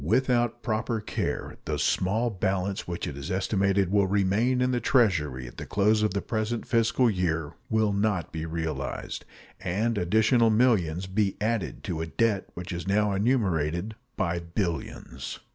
Without proper care the small balance which it is estimated will remain in the Treasury at the close of the present fiscal year will not be realized, and additional millions be added to a debt which is now enumerated by billions.